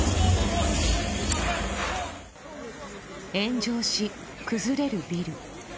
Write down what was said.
炎上し、崩れるビル。